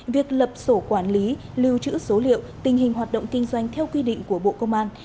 việc lập sổ quản lý lưu trữ số liệu tình hình hoạt động kinh doanh theo quy định của bộ công an